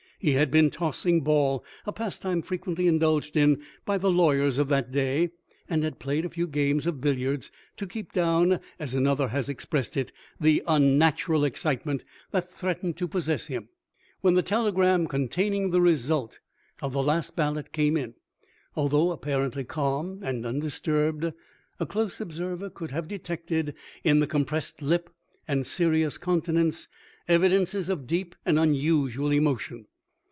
He had been tossing ball — a pastime frequently indulged in by the lawyers of that day, and had played a few games of billiards to keep down, as another has expressed it, "the unnatural excitement that threatened to THE LIFE OF LINCOLN. 463 possess him.',' When the telegram containing the result of the last ballot came in, although appar ently calm and undisturbed, a close observer could have detected in the compressed lip and serious countenance evidences of deep and unusual emo tion.